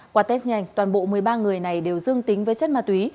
qua test nhanh toàn bộ một mươi ba người này đều dương tính với chất ma túy